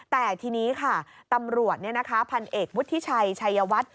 แต่ทีนี้ค่ะตำรวจพันเอกวุฒิชัยชัยวัฒน์